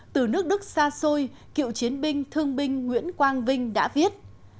từ nước đức xa xôi cựu chiến binh thương binh nguyễn quang vinh đã viết